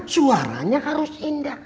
suaranya harus indah